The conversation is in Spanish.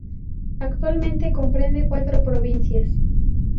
Actualmente comprende cuatro provincias.